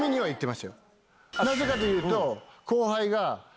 なぜかというと。